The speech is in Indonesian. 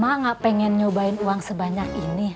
mama gak pengen nyobain uang sebanyak ini